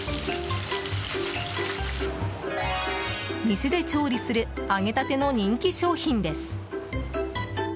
店で調理する揚げたての人気商品です。